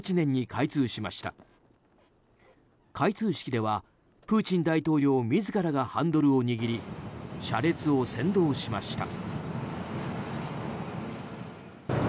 開通式ではプーチン大統領自らがハンドルを握り車列を先導しました。